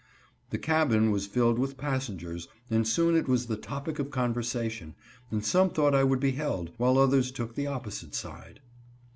The cabin was filled with passengers, and soon it was the topic of conversation, and some thought I would be held, while others took the opposite side.